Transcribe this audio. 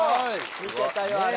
見てたよあれ。